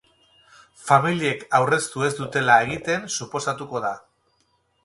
Familiek aurreztu ez dutela egiten suposatuko da.